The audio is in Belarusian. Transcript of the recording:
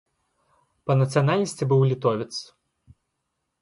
Па нацыянальнасці быў літовец.